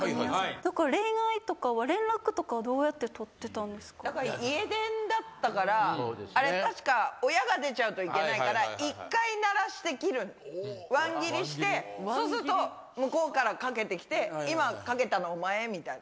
だから恋愛とかは、連絡とかは、家電だったから、あれ、確か親が出ちゃうといけないから、一回鳴らして切る、ワン切りして、そうすると、向こうからかけてきて、今、かけたのお前？みたいな。